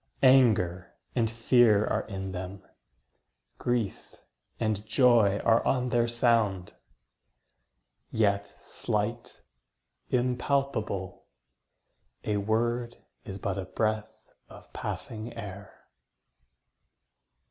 Anger and fear are in them; grief and joy Are on their sound; yet slight, impalpable: A word is but a breath of passing air.